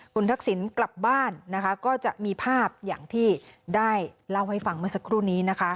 คุณทักษิณกลับบ้านนะคะก็จะมีภาพอย่างที่ได้เล่าให้ฟังเมื่อสักครู่นี้นะคะ